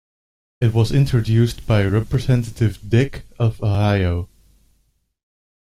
It was introduced by Representative Dick of Ohio.